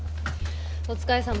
お疲れさま。